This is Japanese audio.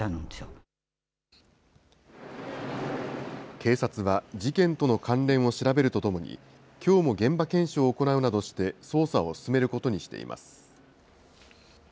警察は事件との関連を調べるとともに、きょうも現場検証を行うなどして、捜査を進めることにしています。